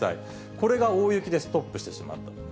これが大雪でストップしてしまった。